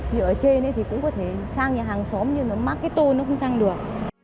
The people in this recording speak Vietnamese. như ở trên thì cũng có thể sang nhà hàng xóm nhưng mà mắc cái tô nó không sang được